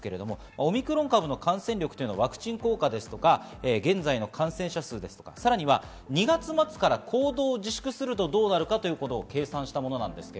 オミクロン株の感染力はワクチン効果とか現在の感染者数とか、さらに２月末から行動を自粛するとどうなるかということを計算したものです。